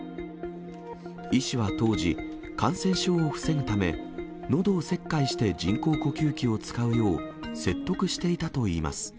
医師は当時、感染症を防ぐため、のどを切開して人工呼吸器を使うよう説得していたといいます。